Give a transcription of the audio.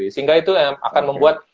sehingga itu yang akan membuat